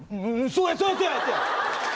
そうや、そうや。